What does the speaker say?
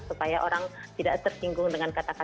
supaya orang tidak tertinggung dengan kata kata saya